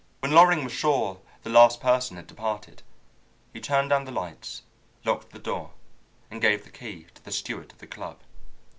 When Loring was sure the last person had departed, he turned down the lights, locked the door, and gave the key to the steward of the club.